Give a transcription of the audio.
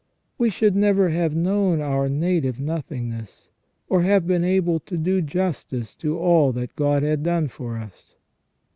We should never have known our native nothingness, or have been able to do justice to all that God had done for us.